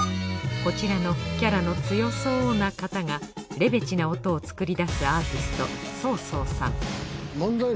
こちらのキャラの強そうな方がレベチな音を作り出すアーティストＳＯ−ＳＯさん